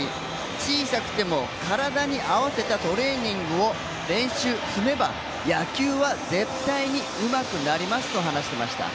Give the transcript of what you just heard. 小さくても体に合わせたトレーニングを練習、積めば野球は絶対にうまくなりますと話していました。